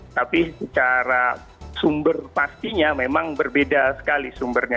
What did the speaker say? tapi secara sumber pastinya memang berbeda sekali sumbernya